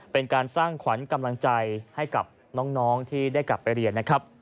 เป็นการสร้างขวัญกำลังใจให้กับน้องที่ได้กลับไปเรียนนะครับ